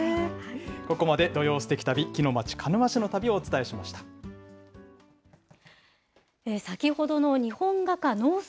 ここまで、土曜すてき旅、木のまち、鹿沼市の旅をお伝えしま先ほどの日本画家、野生司